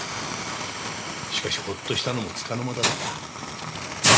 しかしほっとしたのもつかの間だった。